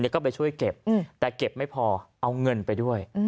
ก็ไปช่วยเก็บแต่เก็บไม่พอเอาเงินไปด้วย